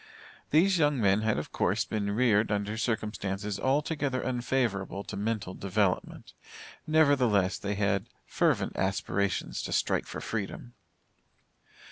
These young men had of course been reared under circumstances altogether unfavorable to mental development. Nevertheless they had fervent aspirations to strike for freedom.